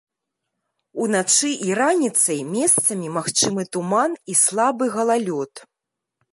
Уначы і раніцай месцамі магчымы туман і слабы галалёд.